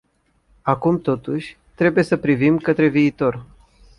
Acum totuși, trebuie să privim către viitor.